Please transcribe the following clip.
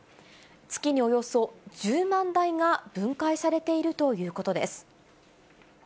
月におよそ１０万台が分解されているということです。